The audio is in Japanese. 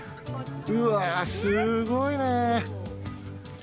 うわー、すごいね。